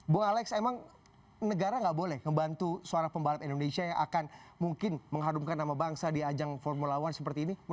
bu alex emang negara nggak boleh membantu suara pembalap indonesia yang akan mungkin mengharumkan nama bangsa di ajang formula one seperti ini